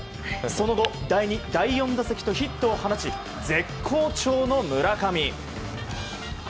その後、第２、第４打席とヒットを放ち絶好調の村上。